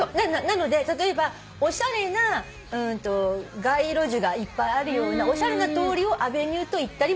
なので例えばおしゃれな街路樹がいっぱいあるようなおしゃれな通りをアベニューといったりもします。